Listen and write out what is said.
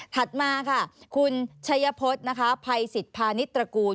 ถัดมาค่ะคุณชัยพศภัยศิษภานิตรกูล